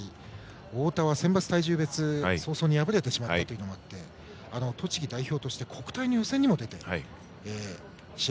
太田は選抜体重別は早々に敗れてしまったこともあり栃木代表として国体の予選にも出て試合